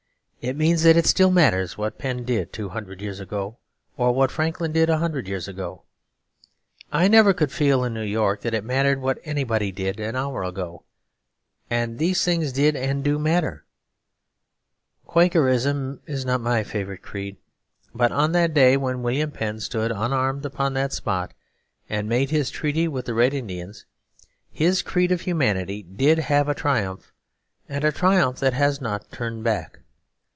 It means that it still matters what Penn did two hundred years ago or what Franklin did a hundred years ago; I never could feel in New York that it mattered what anybody did an hour ago. And these things did and do matter. Quakerism is not my favourite creed; but on that day when William Penn stood unarmed upon that spot and made his treaty with the Red Indians, his creed of humanity did have a triumph and a triumph that has not turned back.